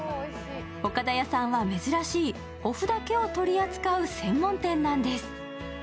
岡田屋さんは珍しいお麩だけを取り扱う専門店なんです。